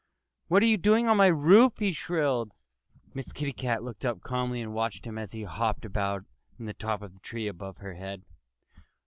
"What are you doing on my roof?" he shrilled. Miss Kitty Cat looked up calmly and watched him as he hopped about in the top of the tree above her head.